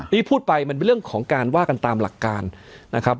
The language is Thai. นี่พูดไปมันเป็นเรื่องของการว่ากันตามหลักการนะครับ